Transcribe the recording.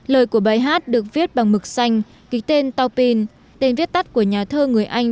lời của bài hát được viết bằng mực xanh kịch tên taupin tên viết tắt của nhà thơ người anh